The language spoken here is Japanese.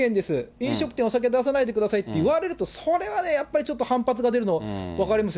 飲食店、お酒出さないでくださいって言われると、それはね、やっぱりちょっと反発が出るの、分かりますよ。